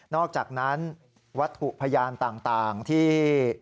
อกจากนั้นวัตถุพยานต่างที่